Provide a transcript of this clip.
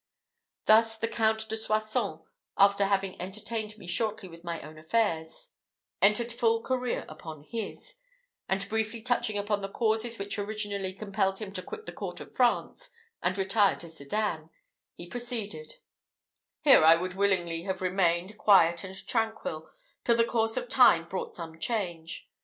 Thus the Count de Soissons, after having entertained me shortly with my own affairs, entered full career upon his; and briefly touching upon the causes which originally compelled him to quit the court of France, and retire to Sedan, he proceeded: "Here I would willingly have remained quiet and tranquil, till the course of time brought some change.